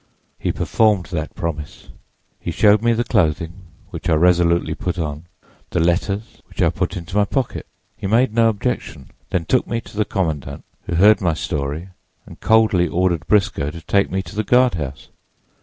"He performed that promise. He showed me the clothing, which I resolutely put on; the letters, which I put into my pocket. He made no objection, then took me to the commandant, who heard my story and coldly ordered Briscoe to take me to the guardhouse.